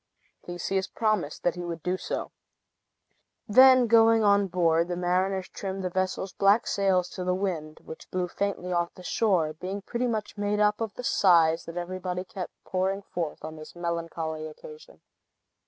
Theseus promised that he would do so. Then going on board, the mariners trimmed the vessel's black sails to the wind, which blew faintly off the shore, being pretty much made up of the sighs that everybody kept pouring forth on this melancholy occasion.